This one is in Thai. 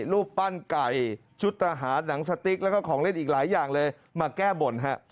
รูปปั้นไก่ชุดทหารหนังสติ๊กแล้วก็ของเล่นอีกหลายอย่างเลยมาแก้บนฮะ